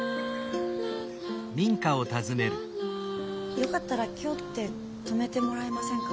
よかったら今日って泊めてもらえませんか？